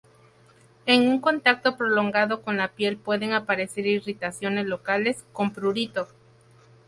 En un contacto prolongado con la piel pueden aparecer irritaciones locales, con prurito.